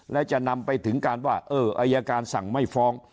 และจะนำไปถึงการว่าเอออายการสั่งไม่ฟ้อง